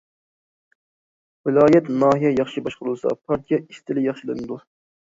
ۋىلايەت، ناھىيە ياخشى باشقۇرۇلسا، پارتىيە ئىستىلى ياخشىلىنىدۇ.